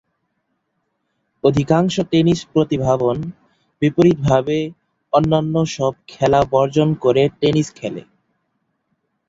অধিকাংশ টেনিস প্রতিভাবান, বিপরীতভাবে, অন্যান্য সব খেলা বর্জন করে টেনিস খেলে।